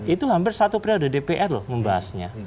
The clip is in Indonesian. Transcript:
itu hampir satu periode dpr loh membahasnya